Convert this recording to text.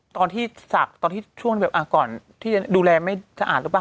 ตอนที่ศักดิ์ตอนที่ช่วงแบบก่อนที่จะดูแลไม่สะอาดหรือเปล่า